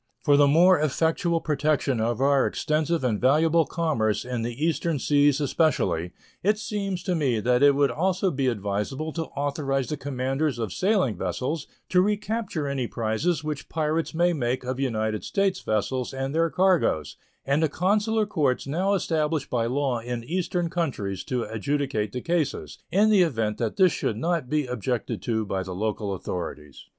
For the more effectual protection of our extensive and valuable commerce in the Eastern seas especially, it seems to me that it would also be advisable to authorize the commanders of sailing vessels to recapture any prizes which pirates may make of United States vessels and their cargoes, and the consular courts now established by law in Eastern countries to adjudicate the cases in the event that this should not be objected to by the local authorities.